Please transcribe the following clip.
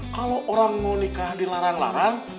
kalau orang mau nikah dilarang larang